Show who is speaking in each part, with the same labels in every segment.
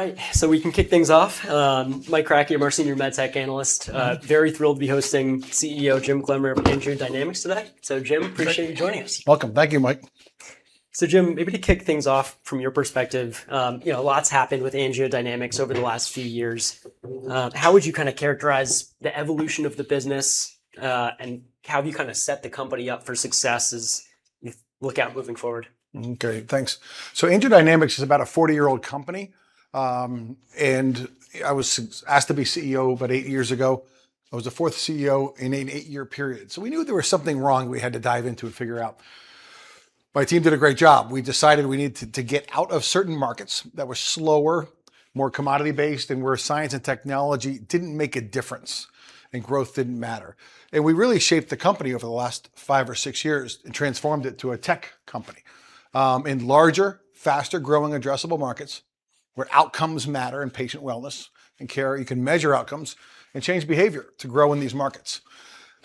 Speaker 1: All right, we can kick things off. Mike Kratky, I'm our senior med tech analyst. Very thrilled to be hosting CEO Jim Clemmer of AngioDynamics today.
Speaker 2: Thank you....
Speaker 1: appreciate you joining us.
Speaker 2: Welcome. Thank you, Mike.
Speaker 1: Jim, maybe to kick things off from your perspective, you know, a lot's happened with AngioDynamics over the last few years.
Speaker 2: Mm-hmm.
Speaker 1: How would you kind of characterize the evolution of the business, and how have you kind of set the company up for successes look out moving forward?
Speaker 2: Okay, thanks. AngioDynamics is about a 40-year-old company. And I was asked to be CEO about eight years ago. I was the fourth CEO in an eight-year period. We knew there was something wrong, we had to dive into and figure out.My team did a great job. We decided we needed to get out of certain markets that were slower, more commodity-based, and where science and technology didn't make a difference and growth didn't matter. We really shaped the company over the last five or six years and transformed it to a tech company, in larger, faster growing addressable markets where outcomes matter in patient wellness and care, you can measure outcomes and change behavior to grow in these markets.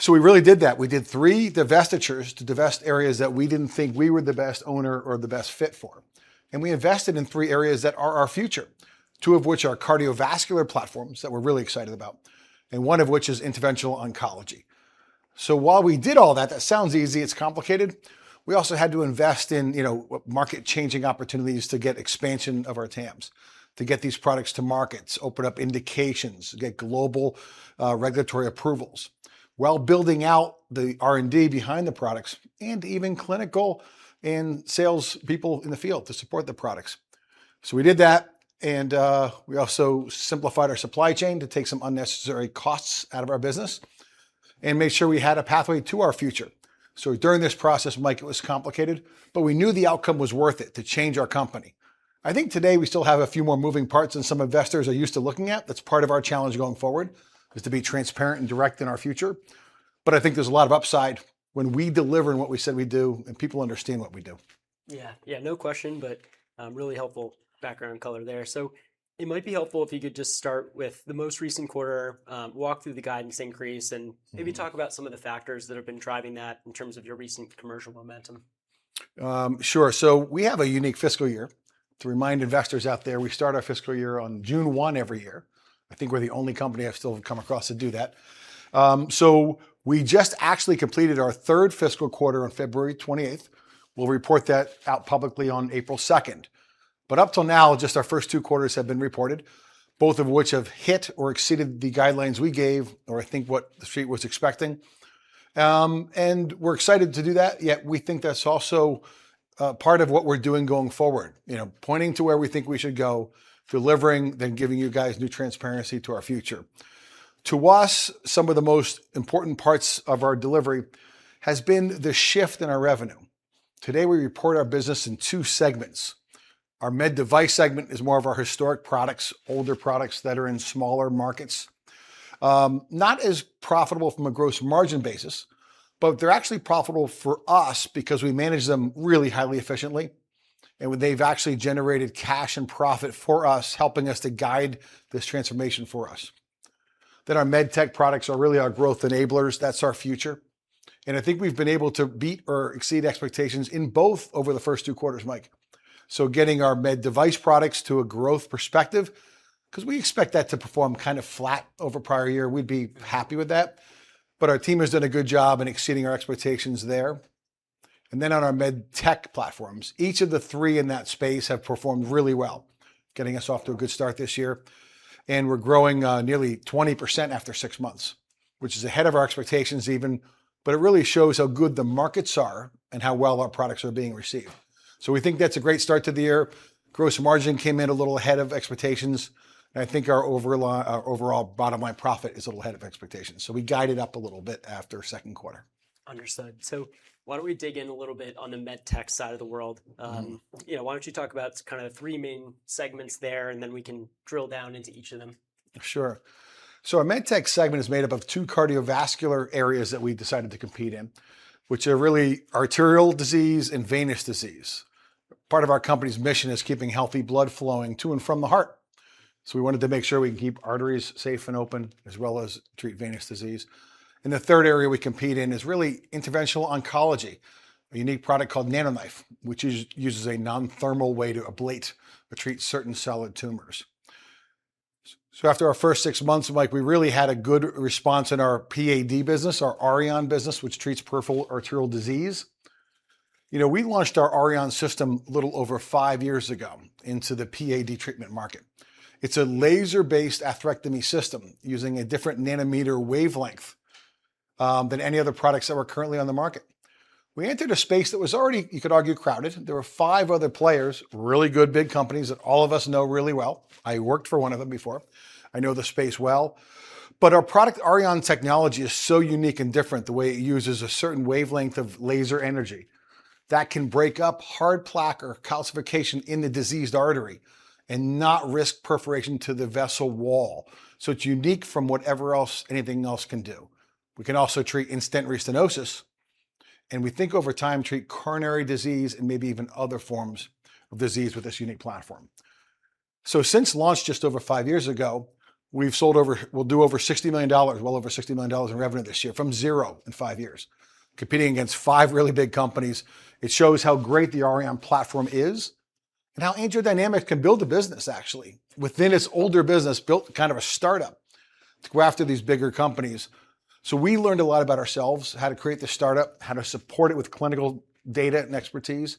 Speaker 2: We really did that. We did 3 divestitures to divest areas that we didn't think we were the best owner or the best fit for. We invested in 3 areas that are our future, 2 of which are cardiovascular platforms that we're really excited about, and 1 of which is interventional oncology. While we did all that sounds easy, it's complicated. We also had to invest in, you know, market changing opportunities to get expansion of our TAMs, to get these products to markets, open up indications, get global regulatory approvals while building out the R&D behind the products and even clinical and sales people in the field to support the products. We did that, we also simplified our supply chain to take some unnecessary costs out of our business and made sure we had a pathway to our future. During this process, Mike, it was complicated, but we knew the outcome was worth it to change our company. I think today we still have a few more moving parts than some investors are used to looking at. That's part of our challenge going forward, is to be transparent and direct in our future. I think there's a lot of upside when we deliver on what we said we'd do and people understand what we do.
Speaker 1: Yeah. Yeah, no question, but, really helpful background color there. It might be helpful if you could just start with the most recent quarter, walk through the guidance increase.
Speaker 2: Mm-hmm...
Speaker 1: maybe talk about some of the factors that have been driving that in terms of your recent commercial momentum.
Speaker 2: Sure. We have a unique fiscal year. To remind investors out there, we start our fiscal year on June 1 every year. I think we're the only company I've still come across to do that. We just actually completed our third fiscal quarter on February 28th.We'll report that out publicly on April 2nd. Up till now, just our first two quarters have been reported, both of which have hit or exceeded the guidelines we gave or I think what the Street was expecting. We're excited to do that, yet we think that's also part of what we're doing going forward, you know, pointing to where we think we should go, delivering, then giving you guys new transparency to our future. To us, some of the most important parts of our delivery has been the shift in our revenue. Today, we report our business in two segments. Our Med Device segment is more of our historic products, older products that are in smaller markets. Not as profitable from a gross margin basis, but they're actually profitable for us because we manage them really highly efficiently, and they've actually generated cash and profit for us, helping us to guide this transformation for us. Our Med Tech products are really our growth enablers. That's our future. I think we've been able to beat or exceed expectations in both over the first two quarters, Mike. Getting our Med Device products to a growth perspective, 'cause we expect that to perform kind of flat over prior year, we'd be happy with that, but our team has done a good job in exceeding our expectations there. On our Med Tech platforms, each of the three in that space have performed really well, getting us off to a good start this year. We're growing, nearly 20% after six months, which is ahead of our expectations even. It really shows how good the markets are and how well our products are being received. We think that's a great start to the year. Gross margin came in a little ahead of expectations, and I think our overall bottom line profit is a little ahead of expectations. We guided up a little bit after second quarter.
Speaker 1: Understood. Why don't we dig in a little bit on the Med Tech side of the world.
Speaker 2: Mm-hmm.
Speaker 1: You know, why don't you talk about kind of the three main segments there and then we can drill down into each of them.
Speaker 2: Sure. Our Med Tech segment is made up of 2 cardiovascular areas that we decided to compete in, which are really arterial disease and venous disease. Part of our company's mission is keeping healthy blood flowing to and from the heart. We wanted to make sure we can keep arteries safe and open as well as treat venous disease. The third area we compete in is really interventional oncology, a unique product called NanoKnife, which uses a non-thermal way to ablate or treat certain solid tumors. After our first 6 months, Mike, we really had a good response in our PAD business, our Auryon business, which treats peripheral arterial disease. You know, we launched our Auryon system a little over 5 years ago into the PAD treatment market. It's a laser-based atherectomy system using a different nanometer wavelength than any other products that were currently on the market. We entered a space that was already, you could argue, crowded. There were 5 other players, really good, big companies that all of us know really well. I worked for one of them before. I know the space well. Our product Auryon technology is so unique and different the way it uses a certain wavelength of laser energy that can break up hard plaque or calcification in the diseased artery and not risk perforation to the vessel wall. It's unique from whatever else anything else can do. We can also treat in-stent restenosis, and we think over time treat coronary disease and maybe even other forms of disease with this unique platform. Since launch just over 5 years ago, we've sold over... We'll do over $60 million, well over $60 million in revenue this year from 0 in 5 years, competing against 5 really big companies. It shows how great the Auryon platform is and how AngioDynamics can build a business actually within its older business, built kind of a startup to go after these bigger companies. We learned a lot about ourselves, how to create the startup, how to support it with clinical data and expertise,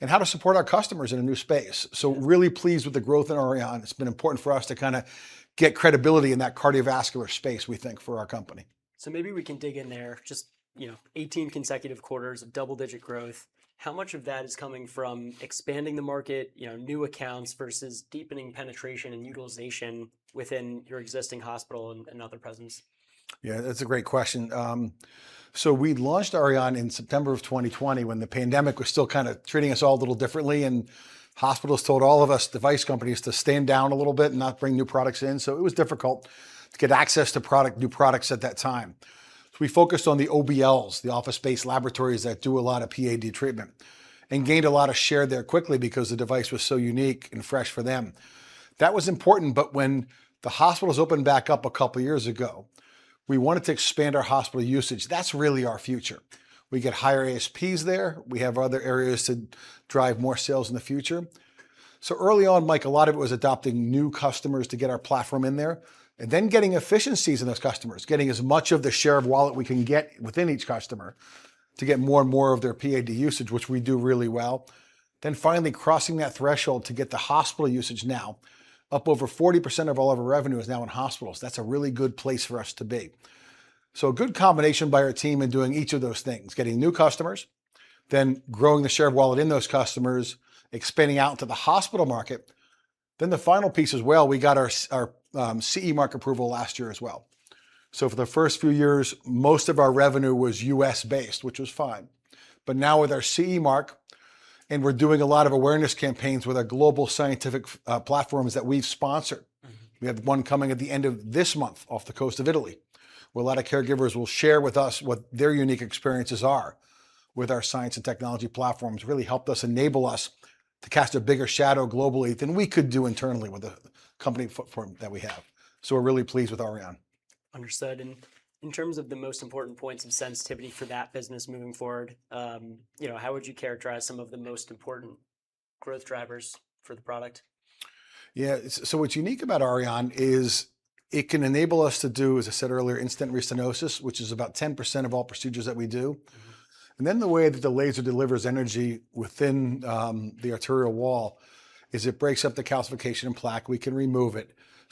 Speaker 2: and how to support our customers in a new space. Really pleased with the growth in Auryon. It's been important for us to kind of get credibility in that cardiovascular space, we think, for our company.
Speaker 1: Maybe we can dig in there. Just, you know, 18 consecutive quarters of double-digit growth. How much of that is coming from expanding the market, you know, new accounts versus deepening penetration and utilization within your existing hospital and other presence?
Speaker 2: Yeah. That's a great question. We launched Auryon in September of 2020 when the pandemic was still kind of treating us all a little differently, and hospitals told all of us device companies to stand down a little bit and not bring new products in. It was difficult to get access to product, new products at that time. We focused on the OBLs, the Office-Based Labs that do a lot of PAD treatment, and gained a lot of share there quickly because the device was so unique and fresh for them. That was important. When the hospitals opened back up a couple years ago, we wanted to expand our hospital usage. That's really our future. We get higher ASPs there. We have other areas to drive more sales in the future. Early on, Mike, a lot of it was adopting new customers to get our platform in there and then getting efficiencies in those customers, getting as much of the share of wallet we can get within each customer to get more and more of their PAD usage, which we do really well, then finally crossing that threshold to get the hospital usage now. Up over 40% of all of our revenue is now in hospitals. That's a really good place for us to be. A good combination by our team in doing each of those things, getting new customers, then growing the share of wallet in those customers, expanding out into the hospital market. The final piece as well, we got our CE mark approval last year as well. for the first few years, most of our revenue was U.S.-based, which was fine, but now with our CE mark, and we're doing a lot of awareness campaigns with our global scientific platforms that we sponsor.
Speaker 1: Mm-hmm.
Speaker 2: We have one coming at the end of this month off the coast of Italy, where a lot of caregivers will share with us what their unique experiences are with our science and technology platforms. Really helped us, enable us to cast a bigger shadow globally than we could do internally with the company form that we have. We're really pleased with Auryon.
Speaker 1: Understood. In terms of the most important points of sensitivity for that business moving forward, you know, how would you characterize some of the most important growth drivers for the product?
Speaker 2: Yeah. It's. What's unique about Auryon is it can enable us to do, as I said earlier, in-stent restenosis, which is about 10% of all procedures that we do.
Speaker 1: Mm-hmm.
Speaker 2: The way that the laser delivers energy within the arterial wall is it breaks up the calcification and plaque. We can remove it.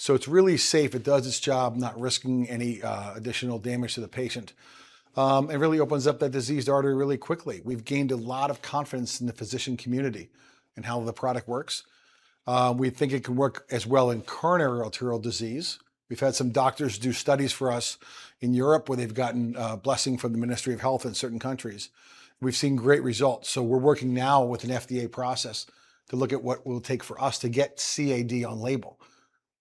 Speaker 2: It's really safe. It does its job, not risking any additional damage to the patient. It really opens up that diseased artery really quickly. We've gained a lot of confidence in the physician community in how the product works. We think it can work as well in coronary arterial disease. We've had some doctors do studies for us in Europe where they've gotten a blessing from the Ministry of Health in certain countries. We've seen great results. We're working now with an FDA process to look at what it will take for us to get CAD on label.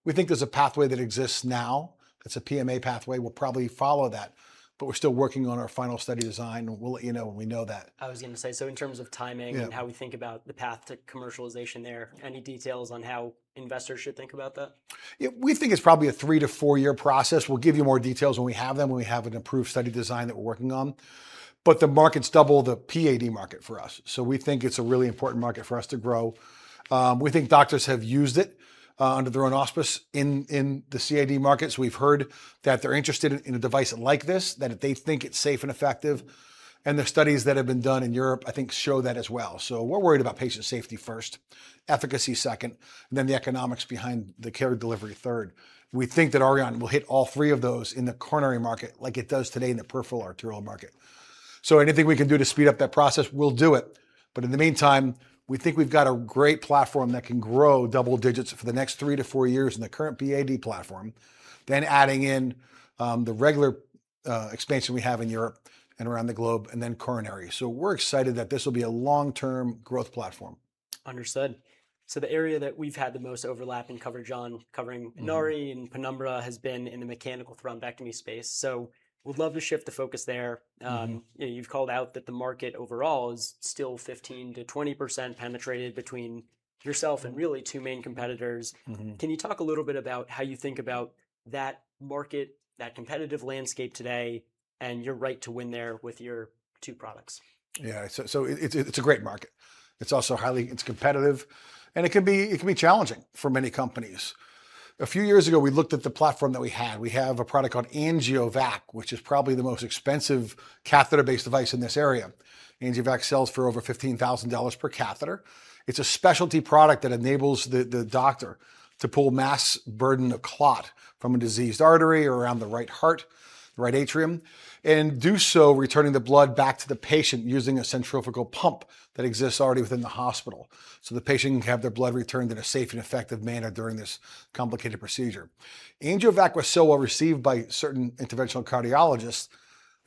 Speaker 2: We think there's a pathway that exists now. It's a PMA pathway. We'll probably follow that, but we're still working on our final study design, and we'll let you know when we know that.
Speaker 1: I was gonna say, so in terms of timing.
Speaker 2: Yeah...
Speaker 1: and how we think about the path to commercialization there.
Speaker 2: Yeah
Speaker 1: any details on how investors should think about that?
Speaker 2: Yeah, we think it's probably a three to four-year process. We'll give you more details when we have them, when we have an approved study design that we're working on. The market's double the PAD market for us, so we think it's a really important market for us to grow. We think doctors have used it under their own auspice in the CAD markets. We've heard that they're interested in a device like this, that they think it's safe and effective, and the studies that have been done in Europe I think show that as well. We're worried about patient safety first, efficacy second, and then the economics behind the care delivery third. We think that Auryon will hit all three of those in the coronary market like it does today in the peripheral arterial market. Anything we can do to speed up that process, we'll do it. In the meantime, we think we've got a great platform that can grow double digits for the next 3-4 years in the current PAD platform, then adding in the regular expansion we have in Europe and around the globe and then coronary. We're excited that this will be a long-term growth platform.
Speaker 1: Understood. The area that we've had the most overlap in coverage on covering-.
Speaker 2: Mm-hmm...
Speaker 1: Inari and Penumbra has been in the mechanical thrombectomy space. Would love to shift the focus there.
Speaker 2: Mm-hmm.
Speaker 1: you know, you've called out that the market overall is still 15%-20% penetrated between yourself and really two main competitors.
Speaker 2: Mm-hmm.
Speaker 1: Can you talk a little bit about how you think about that market, that competitive landscape today, and your right to win there with your two products?
Speaker 2: It's a great market. It's also highly competitive, and it can be challenging for many companies. A few years ago, we looked at the platform that we had. We have a product called AngioVac, which is probably the most expensive catheter-based device in this area. AngioVac sells for over $15,000 per catheter. It's a specialty product that enables the doctor to pull mass burden of clot from a diseased artery or around the right heart, right atrium, and do so returning the blood back to the patient using a centrifugal pump that exists already within the hospital, so the patient can have their blood returned in a safe and effective manner during this complicated procedure. AngioVac was so well received by certain interventional cardiologists,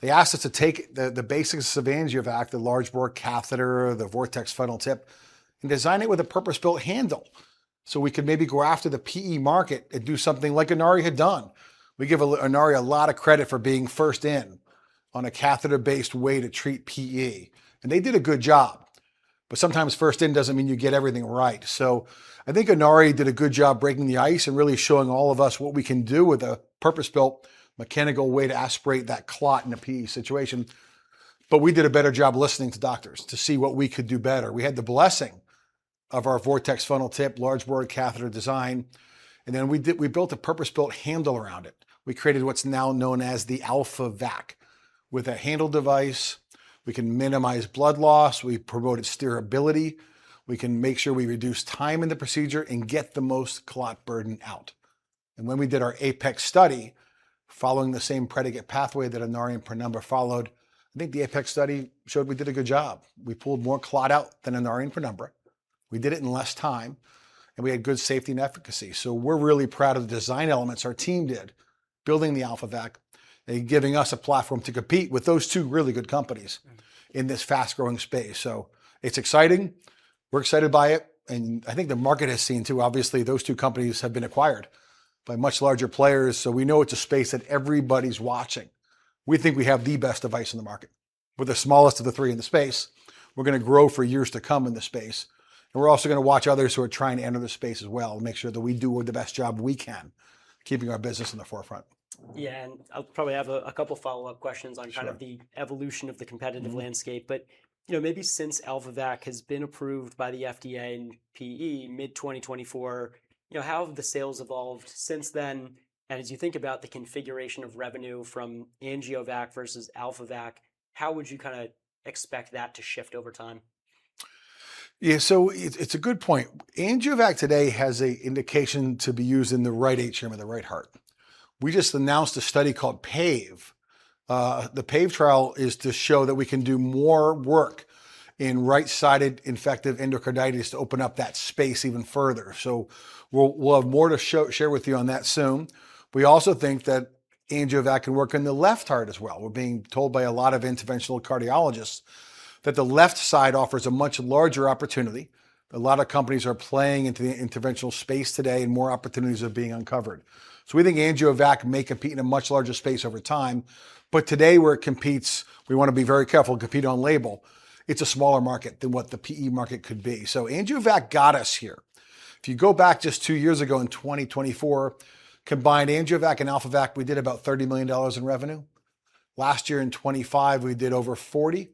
Speaker 2: they asked us to take the basics of AngioVac, the large bore catheter, the Vortex funnel tip, and design it with a purpose-built handle so we could maybe go after the PE market and do something like Inari had done. We give Inari a lot of credit for being first in on a catheter-based way to treat PE, and they did a good job. Sometimes first in doesn't mean you get everything right. I think Inari did a good job breaking the ice and really showing all of us what we can do with a purpose-built mechanical way to aspirate that clot in a PE situation. We did a better job listening to doctors to see what we could do better. We had the blessing of our Vortex funnel tip large bore catheter design, then we built a purpose-built handle around it. We created what's now known as the AlphaVac. With a handle device we can minimize blood loss, we promoted steerability, we can make sure we reduce time in the procedure, and get the most clot burden out. When we did our APEX study following the same predicate pathway that Inari and Penumbra followed, I think the APEX study showed we did a good job. We pulled more clot out than Inari and Penumbra. We did it in less time, and we had good safety and efficacy. We're really proud of the design elements our team did building the AlphaVac and giving us a platform to compete with those two really good companies in this fast-growing space. It's exciting. We're excited by it, and I think the market has seen too. Obviously, those two companies have been acquired by much larger players. We know it's a space that everybody's watching. We think we have the best device on the market. We're the smallest of the three in the space. We're gonna grow for years to come in the space. We're also gonna watch others who are trying to enter the space as well and make sure that we do the best job we can keeping our business in the forefront.
Speaker 1: Yeah, I'll probably have a couple follow-up questions.
Speaker 2: Sure...
Speaker 1: kind of the evolution of the competitive landscape. You know, maybe since AlphaVac has been approved by the FDA in PE mid-2024, you know, how have the sales evolved since then? As you think about the configuration of revenue from AngioVac versus AlphaVac, how would you kinda expect that to shift over time?
Speaker 2: It's a good point. AngioVac today has a indication to be used in the right atrium of the right heart. We just announced a study called PAVE. The PAVE trial is to show that we can do more work in right-sided infective endocarditis to open up that space even further. We'll have more to share with you on that soon. We also think that AngioVac can work in the left heart as well. We're being told by a lot of interventional cardiologists that the left side offers a much larger opportunity, that a lot of companies are playing into the interventional space today, and more opportunities are being uncovered. We think AngioVac may compete in a much larger space over time, but today where it competes we wanna be very careful to compete on label. It's a smaller market than what the PE market could be. AngioVac got us here. If you go back just two years ago in 2024, combined AngioVac and AlphaVac we did about $30 million in revenue. Last year in 2025 we did over $40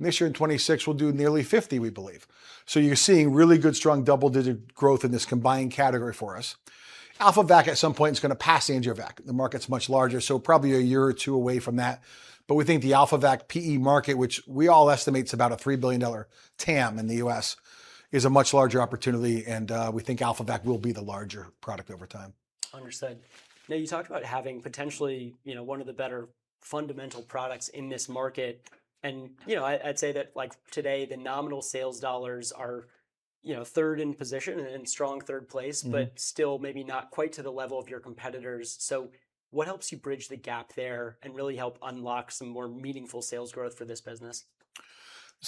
Speaker 2: million, and this year in 2026 we'll do nearly $50 million, we believe. You're seeing really good strong double-digit growth in this combined category for us. AlphaVac at some point is gonna pass AngioVac. The market's much larger, so probably a year or two away from that. We think the AlphaVac PE market, which we all estimate's about a $3 billion TAM in the US, is a much larger opportunity, and we think AlphaVac will be the larger product over time.
Speaker 1: Understood. You talked about having potentially, you know, one of the better fundamental products in this market, and, you know, I'd say that, like, today the nominal sales dollars are, you know, third in position and in strong third place.
Speaker 2: Mm-hmm...
Speaker 1: but still maybe not quite to the level of your competitors. What helps you bridge the gap there and really help unlock some more meaningful sales growth for this business?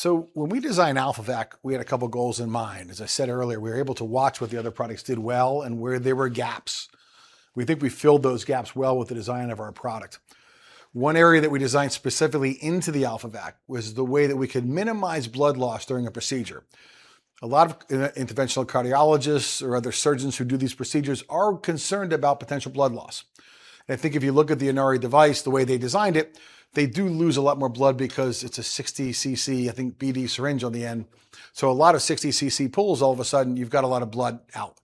Speaker 2: When we designed AlphaVac, we had a couple goals in mind. As I said earlier, we were able to watch what the other products did well and where there were gaps. We think we filled those gaps well with the design of our product. One area that we designed specifically into the AlphaVac was the way that we could minimize blood loss during a procedure. A lot of interventional cardiologists or other surgeons who do these procedures are concerned about potential blood loss. I think if you look at the Inari device, the way they designed it, they do lose a lot more blood because it's a 60 cc, I think, BD syringe on the end. A lot of 60 cc pulls, all of a sudden you've got a lot of blood out.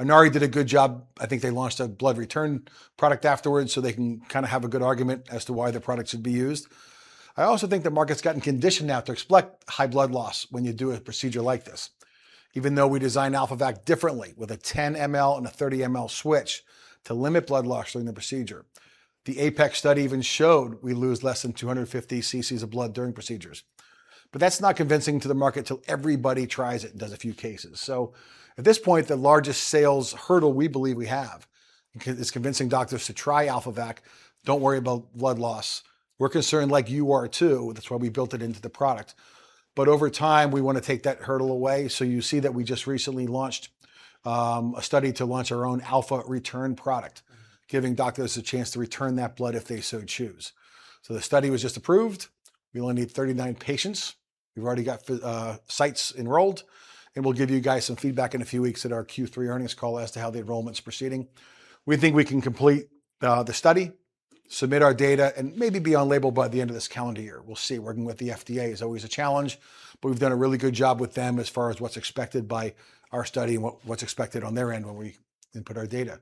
Speaker 2: Inari did a good job. I think they launched a blood return product afterwards, so they can kinda have a good argument as to why their product should be used. I also think the market's gotten conditioned now to expect high blood loss when you do a procedure like this, even though we designed AlphaVac differently with a 10 ml and a 30 ml switch to limit blood loss during the procedure. The APEX study even showed we lose less than 250 ccs of blood during procedures. That's not convincing to the market till everybody tries it and does a few cases. At this point, the largest sales hurdle we believe we have is convincing doctors to try AlphaVac. Don't worry about blood loss. We're concerned like you are too. That's why we built it into the product. Over time we wanna take that hurdle away, so you see that we just recently launched a study to launch our own AlphaVac product.
Speaker 1: Mm-hmm
Speaker 2: giving doctors the chance to return that blood if they so choose. The study was just approved. We only need 39 patients. We've already got sites enrolled, and we'll give you guys some feedback in a few weeks at our Q3 earnings call as to how the enrollment's proceeding. We think we can complete the study, submit our data, and maybe be on label by the end of this calendar year. We'll see. Working with the FDA is always a challenge, but we've done a really good job with them as far as what's expected by our study and what's expected on their end when we input our data.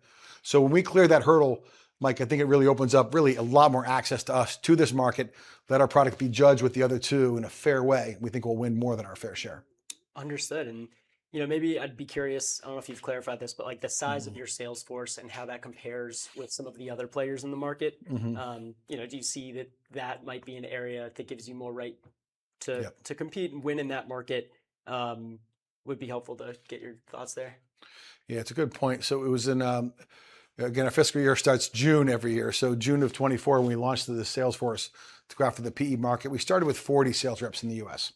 Speaker 2: When we clear that hurdle, Mike, I think it really opens up really a lot more access to us to this market. Let our product be judged with the other two in a fair way, and we think we'll win more than our fair share.
Speaker 1: Understood, you know, maybe I'd be curious. I don't know if you've clarified this, but, like.
Speaker 2: Mm-hmm
Speaker 1: ...of your sales force and how that compares with some of the other players in the market.
Speaker 2: Mm-hmm.
Speaker 1: You know, do you see that that might be an area that gives you more right to-?
Speaker 2: Yeah...
Speaker 1: to compete and win in that market? Would be helpful to get your thoughts there.
Speaker 2: Yeah, it's a good point. It was in, again, our fiscal year starts June every year, June of 2024 when we launched the sales force to go after the PE market, we started with 40 sales reps in the US.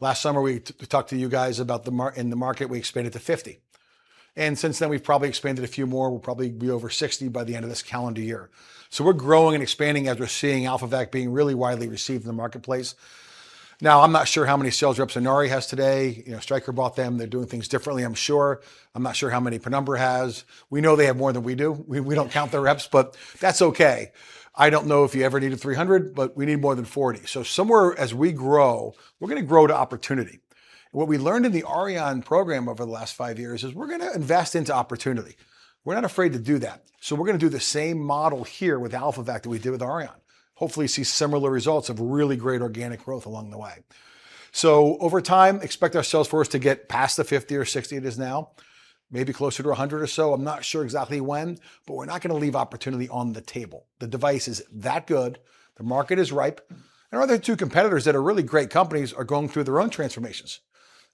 Speaker 2: Last summer we talked to you guys about the market we expanded to 50. Since then we've probably expanded a few more. We'll probably be over 60 by the end of this calendar year. We're growing and expanding as we're seeing AlphaVac being really widely received in the marketplace. Now I'm not sure how many sales reps Inari has today. You know, Stryker bought them. They're doing things differently I'm sure. I'm not sure how many Penumbra has. We know they have more than we do. We don't count their reps, but that's okay. I don't know if you ever need a 300, but we need more than 40. Somewhere as we grow, we're gonna grow to opportunity. What we learned in the Auryon program over the last 5 years is we're gonna invest into opportunity. We're not afraid to do that. We're gonna do the same model here with AlphaVac that we did with Auryon. Hopefully see similar results of really great organic growth along the way. Over time, expect our sales force to get past the 50 or 60 it is now, maybe closer to 100 or so. I'm not sure exactly when, but we're not gonna leave opportunity on the table. The device is that good. The market is ripe. Our other 2 competitors that are really great companies are going through their own transformations,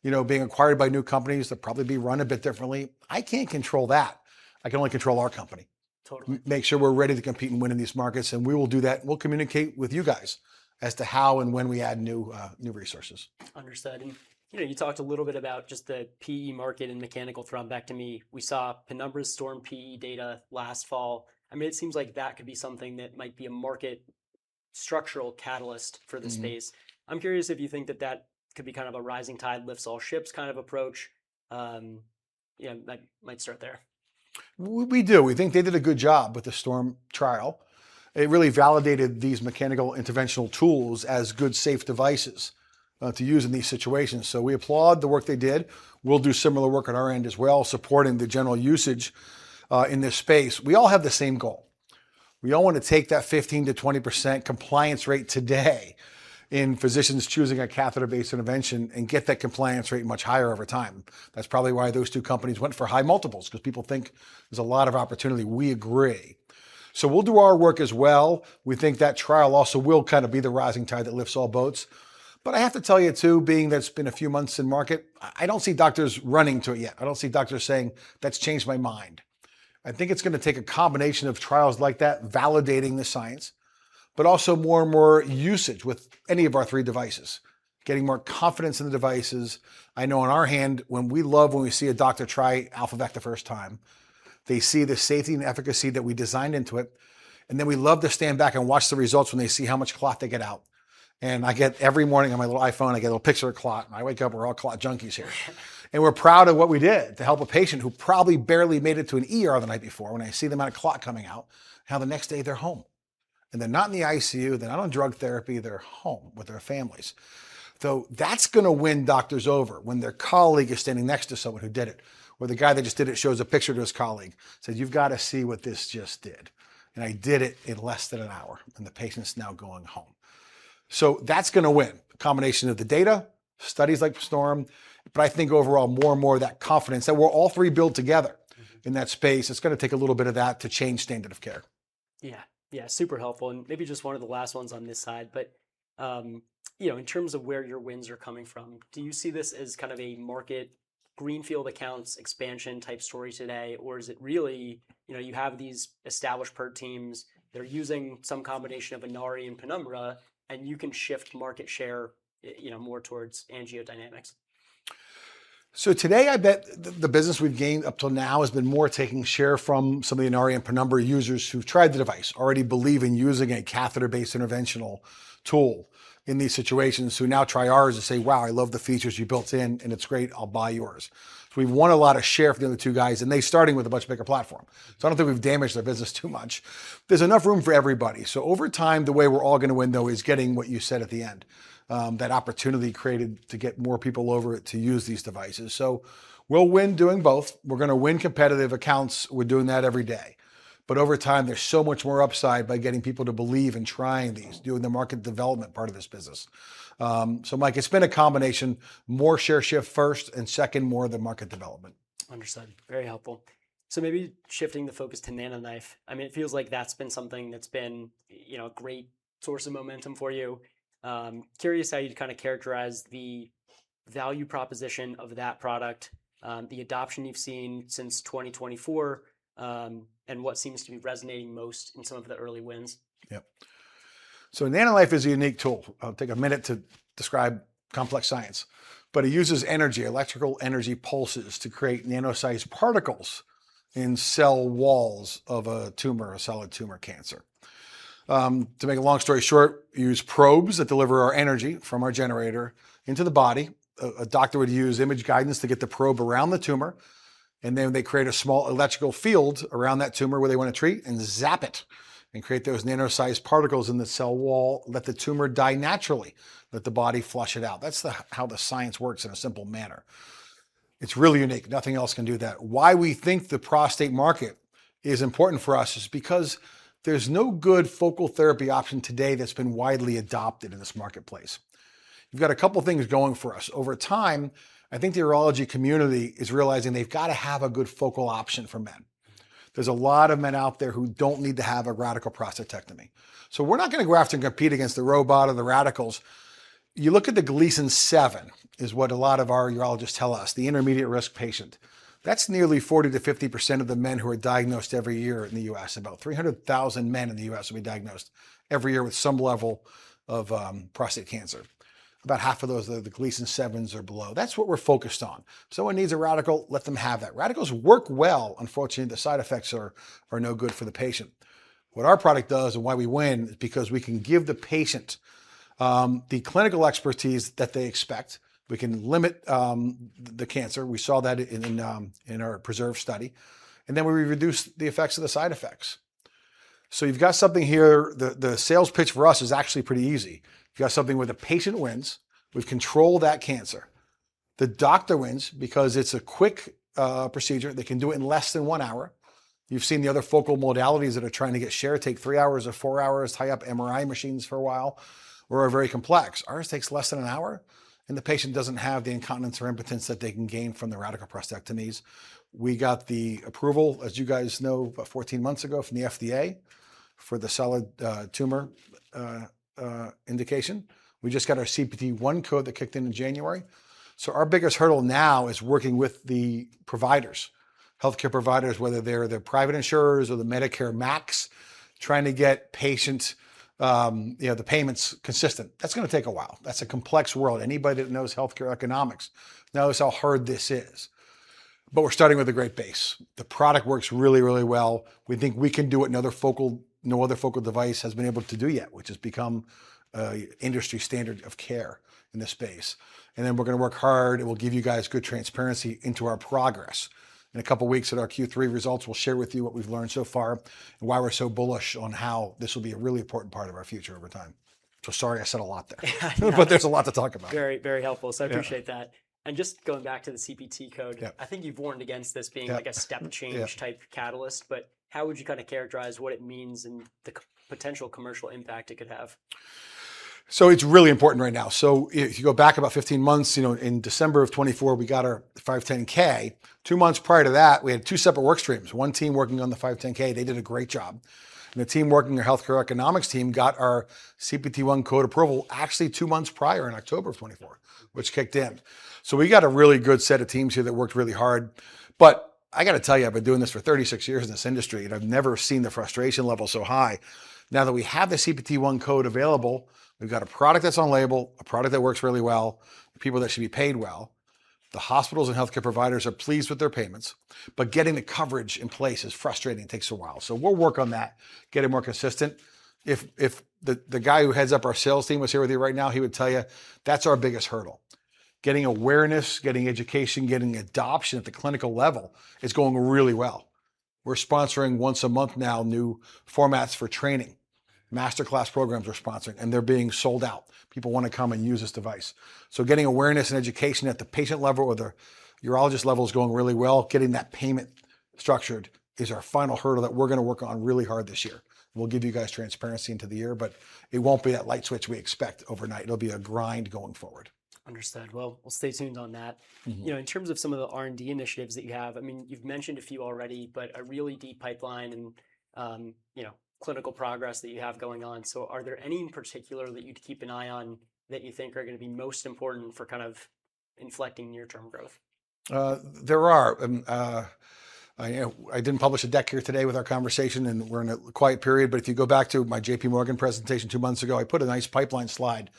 Speaker 2: you know, being acquired by new companies. They'll probably be run a bit differently. I can't control that. I can only control our company.
Speaker 1: Totally.
Speaker 2: Make sure we're ready to compete and win in these markets. We will do that. We'll communicate with you guys as to how and when we add new new resources.
Speaker 1: Understood. You know, you talked a little bit about just the PE market and mechanical thrombectomy. We saw Penumbra's STORM-PE data last fall. I mean, it seems like that could be something that might be a market structural catalyst for the space.
Speaker 2: Mm.
Speaker 1: I'm curious if you think that could be kind of a rising tide lifts all ships kind of approach. Yeah, might start there.
Speaker 2: We do. We think they did a good job with the STORM trial. It really validated these mechanical interventional tools as good, safe devices to use in these situations. We applaud the work they did. We'll do similar work on our end as well, supporting the general usage in this space. We all have the same goal. We all wanna take that 15%-20% compliance rate today in physicians choosing a catheter-based intervention and get that compliance rate much higher over time. That's probably why those two companies went for high multiples, 'cause people think there's a lot of opportunity. We agree. We'll do our work as well. We think that trial also will kind of be the rising tide that lifts all boats. I have to tell you too, being that it's been a few months in market, I don't see doctors running to it yet. I don't see doctors saying, "That's changed my mind." I think it's gonna take a combination of trials like that validating the science, but also more and more usage with any of our three devices, getting more confidence in the devices. I know on our hand when we love when we see a doctor try AlphaVac the first time. They see the safety and efficacy that we designed into it, and then we love to stand back and watch the results when they see how much clot they get out. I get every morning on my little iPhone, I get a little picture of clot, and I wake up. We're all clot junkies here. We're proud of what we did to help a patient who probably barely made it to an ER the night before, when I see the amount of clot coming out, how the next day they're home, and they're not in the ICU, they're not on drug therapy, they're home with their families. That's gonna win doctors over, when their colleague is standing next to someone who did it or the guy that just did it shows a picture to his colleague, says, "You've gotta see what this just did, and I did it in less than 1 hour, and the patient's now going home." That's gonna win, combination of the data, studies like STORM, but I think overall more and more of that confidence that we're all 3 built together.
Speaker 1: Mm-hmm...
Speaker 2: in that space. It's gonna take a little bit of that to change standard of care.
Speaker 1: Yeah. Yeah, super helpful. Maybe just one of the last ones on this side, but, you know, in terms of where your wins are coming from, do you see this as kind of a market greenfield accounts expansion type story today, or is it really, you know, you have these established PERT teams, they're using some combination of Inari and Penumbra, and you can shift market share, you know, more towards AngioDynamics?
Speaker 2: Today I bet the business we've gained up till now has been more taking share from some of the Inari and Penumbra users who've tried the device, already believe in using a catheter-based interventional tool in these situations, who now try ours and say, "Wow, I love the features you built in and it's great. I'll buy yours." We've won a lot of share from the other two guys, and they're starting with a much bigger platform. I don't think we've damaged their business too much. There's enough room for everybody. Over time, the way we're all gonna win though is getting what you said at the end, that opportunity created to get more people over to use these devices. We'll win doing both. We're gonna win competitive accounts. We're doing that every day. Over time there's so much more upside by getting people to believe in trying.
Speaker 1: Mm...
Speaker 2: doing the market development part of this business. Mike, it's been a combination, more share shift first, and second more the market development.
Speaker 1: Understood. Very helpful. Maybe shifting the focus to NanoKnife. I mean, it feels like that's been something that's been you know, a great source of momentum for you. Curious how you'd kind of characterize the value proposition of that product, the adoption you've seen since 2024, and what seems to be resonating most in some of the early wins.
Speaker 2: Yep. NanoKnife is a unique tool. I'll take a minute to describe complex science, but it uses energy, electrical energy pulses to create nano-sized particles in cell walls of a tumor, a solid tumor cancer. To make a long story short, you use probes that deliver our energy from our generator into the body. A doctor would use image guidance to get the probe around the tumor, and then they create a small electrical field around that tumor where they wanna treat and zap it and create those nano-sized particles in the cell wall. Let the tumor die naturally. Let the body flush it out. That's how the science works in a simple manner. It's really unique. Nothing else can do that. Why we think the prostate market is important for us is because there's no good focal therapy option today that's been widely adopted in this marketplace. We've got a couple things going for us. Over time, I think the urology community is realizing they've gotta have a good focal option for men. There's a lot of men out there who don't need to have a radical prostatectomy. We're not gonna go after and compete against the robot or the radicals. You look at the Gleason 7, is what a lot of our urologists tell us, the intermediate-risk patient. That's nearly 40%-50% of the men who are diagnosed every year in the U.S. About 300,000 men in the U.S. will be diagnosed every year with some level of prostate cancer. About half of those are the Gleason 7s or below. That's what we're focused on. If someone needs a radical, let them have that. Radicals work well. Unfortunately, the side effects are no good for the patient. What our product does and why we win is because we can give the patient the clinical expertise that they expect. We can limit the cancer. We saw that in our PRESERVE study. Then we reduce the effects of the side effects. You've got something here, the sales pitch for us is actually pretty easy. You've got something where the patient wins. We've controlled that cancer. The doctor wins because it's a quick procedure. They can do it in less than 1 hour. You've seen the other focal modalities that are trying to get share take 3 hours or 4 hours, tie up MRI machines for a while, or are very complex. Ours takes less than an hour, the patient doesn't have the incontinence or impotence that they can gain from the radical prostatectomies. We got the approval, as you guys know, about 14 months ago from the FDA for the solid tumor indication. We just got our CPT 1 code that kicked in in January. Our biggest hurdle now is working with the providers, healthcare providers, whether they're the private insurers or the Medicare MACs, trying to get patients', you know, the payments consistent. That's gonna take a while. That's a complex world. Anybody that knows healthcare economics knows how hard this is. We're starting with a great base. The product works really, really well. We think we can do what another focal, no other focal device has been able to do yet, which is become a industry standard of care in this space. We're gonna work hard, and we'll give you guys good transparency into our progress. In a couple weeks at our Q3 results, we'll share with you what we've learned so far and why we're so bullish on how this will be a really important part of our future over time. Sorry I said a lot there.
Speaker 1: Yeah.
Speaker 2: There's a lot to talk about.
Speaker 1: Very, very helpful.
Speaker 2: Yeah.
Speaker 1: I appreciate that. just going back to the CPT code-
Speaker 2: Yeah...
Speaker 1: I think you've warned against this being...
Speaker 2: Yeah...
Speaker 1: like, a step change-
Speaker 2: Yeah...
Speaker 1: type catalyst, but how would you kinda characterize what it means and the potential commercial impact it could have?
Speaker 2: It's really important right now. If you go back about 15 months, you know, in December of 2024, we got our 510. Two months prior to that, we had two separate work streams, one team working on the 510. They did a great job. The team working our healthcare economics team got our CPT 1 code approval actually two months prior in October of 2024, which kicked in. We got a really good set of teams here that worked really hard. I gotta tell you, I've been doing this for 36 years in this industry, and I've never seen the frustration level so high. Now that we have the CPT 1 code available, we've got a product that's on label, a product that works really well, and people that should be paid well. The hospitals and healthcare providers are pleased with their payments. Getting the coverage in place is frustrating, takes a while. We'll work on that, get it more consistent. If the guy who heads up our sales team was here with you right now, he would tell you that's our biggest hurdle. Getting awareness, getting education, getting adoption at the clinical level is going really well. We're sponsoring once a month now new formats for training. Master class programs we're sponsoring, and they're being sold out. People wanna come and use this device. Getting awareness and education at the patient level or the urologist level is going really well. Getting that payment structured is our final hurdle that we're gonna work on really hard this year. We'll give you guys transparency into the year, but it won't be that light switch we expect overnight. It'll be a grind going forward.
Speaker 1: Understood. Well, we'll stay tuned on that.
Speaker 2: Mm-hmm.
Speaker 1: You know, in terms of some of the R&D initiatives that you have, I mean, you've mentioned a few already, but a really deep pipeline and, you know, clinical progress that you have going on. Are there any in particular that you'd keep an eye on that you think are gonna be most important for kind of inflecting near-term growth?
Speaker 2: There are. I, you know, I didn't publish a deck here today with our conversation, and we're in a quiet period. If you go back to my JPMorgan presentation 2 months ago, I put a nice pipeline slide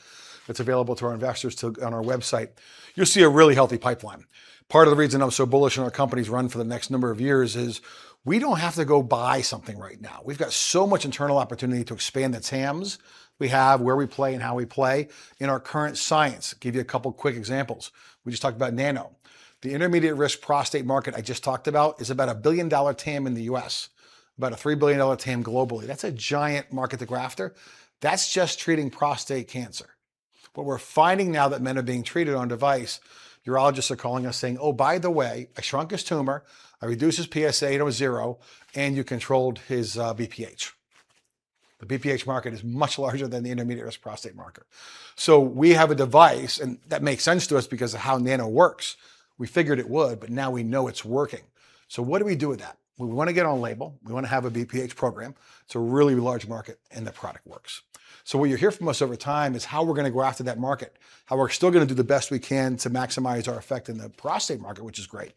Speaker 2: that's available to our investors on our website. You'll see a really healthy pipeline. Part of the reason I'm so bullish on our company's run for the next number of years is we don't have to go buy something right now. We've got so much internal opportunity to expand the TAMs we have, where we play and how we play in our current science. Give you a couple quick examples. We just talked about Nano. The intermediate-risk prostate market I just talked about is about a $1 billion TAM in the U.S., about a $3 billion TAM globally. That's a giant market to go after. That's just treating prostate cancer. What we're finding now that men are being treated on device, urologists are calling us saying, "Oh, by the way, I shrunk his tumor. I reduced his PSA to a 0, and you controlled his BPH." The BPH market is much larger than the intermediate-risk prostate market. We have a device, and that makes sense to us because of how Nano works. We figured it would, but now we know it's working. What do we do with that? We wanna get on label. We wanna have a BPH program. It's a really large market, and the product works. What you'll hear from us over time is how we're gonna go after that market, how we're still gonna do the best we can to maximize our effect in the prostate market, which is great.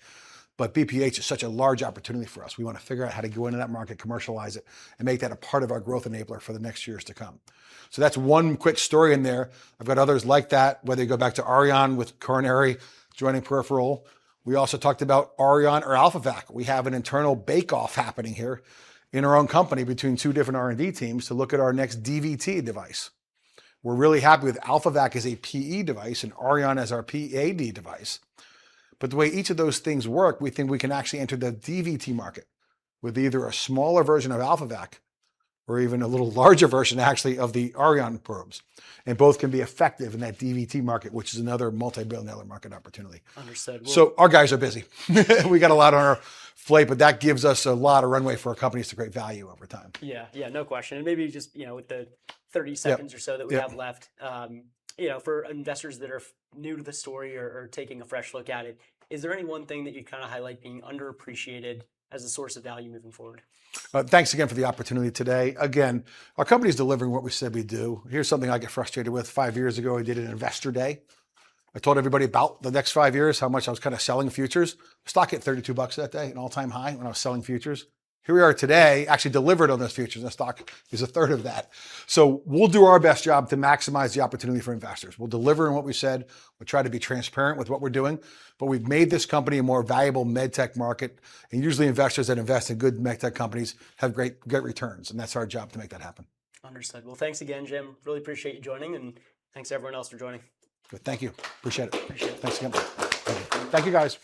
Speaker 2: BPH is such a large opportunity for us. We wanna figure out how to go into that market, commercialize it, and make that a part of our growth enabler for the next years to come. That's one quick story in there. I've got others like that, whether you go back to Auryon with coronary joining peripheral. We also talked about Auryon or AlphaVac. We have an internal bake-off happening here in our own company between two different R&D teams to look at our next DVT device. We're really happy with AlphaVac as a PE device and Auryon as our PAD device. The way each of those things work, we think we can actually enter the DVT market with either a smaller version of AlphaVac or even a little larger version actually of the Auryon probes, and both can be effective in that DVT market, which is another multi-billion-dollar market opportunity.
Speaker 1: Understood.
Speaker 2: Our guys are busy. We got a lot on our plate, but that gives us a lot of runway for our company to create value over time.
Speaker 1: Yeah, no question. maybe just, you know, with the 30 seconds.
Speaker 2: Yeah...
Speaker 1: or so.
Speaker 2: Yeah...
Speaker 1: left, you know, for investors that are new to the story or taking a fresh look at it, is there any one thing that you'd kinda highlight being underappreciated as a source of value moving forward?
Speaker 2: Thanks again for the opportunity today. Our company's delivering what we said we'd do. Here's something I get frustrated with. Five years ago, I did an investor day. I told everybody about the next five years, how much I was kinda selling futures. Stock hit $32 that day, an all-time high when I was selling futures. Here we are today, actually delivered on those futures, and the stock is a third of that. We'll do our best job to maximize the opportunity for investors. We'll deliver on what we said. We'll try to be transparent with what we're doing. We've made this company a more valuable med tech market, and usually investors that invest in good med tech companies have great returns, and that's our job to make that happen.
Speaker 1: Understood. Well, thanks again, Jim. Really appreciate you joining, and thanks everyone else for joining.
Speaker 2: Good. Thank you. Appreciate it.
Speaker 1: Appreciate it.
Speaker 2: Thanks again. Thank you. Thank you, guys.